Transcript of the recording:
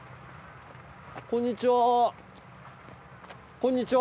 こんにちは。